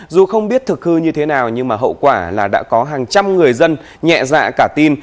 dù không biết thực hư như thế nào nhưng mà hậu quả là đã có hàng trăm người dân nhẹ dạ cả tin